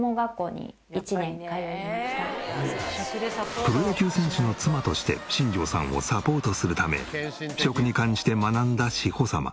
プロ野球選手の妻として新庄さんをサポートするため食に関して学んだ志保様。